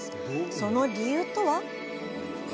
その理由とは？